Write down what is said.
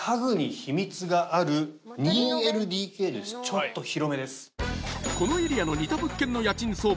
ちょっと広めです。